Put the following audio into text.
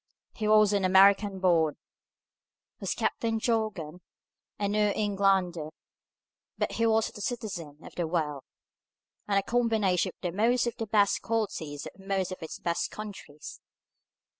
He was an American born, was Captain Jorgan, a New Englander, but he was a citizen of the world, and a combination of most of the best qualities of most of its best countries.